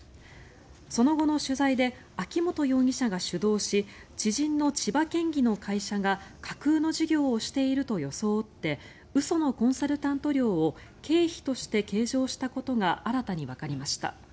その後の取材で秋本容疑者が主導し知人の千葉県議の会社が架空の事業をしていると装って嘘のコンサルタント料を経費として計上したことが新たにわかりました。